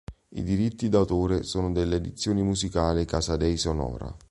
I diritti d'autore sono delle Edizioni Musicali Casadei Sonora.